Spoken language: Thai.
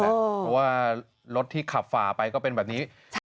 เพราะว่ารถที่ขับฝ่าไปก็เป็นแบบนี้